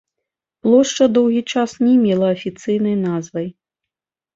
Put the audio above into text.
Плошча доўгі час не мела афіцыйнай назвай.